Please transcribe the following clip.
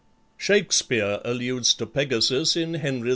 Shakspeare alludes to Pegasus in "Henry IV.